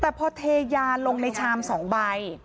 แต่พอเทยาลงในชาม๒ใบ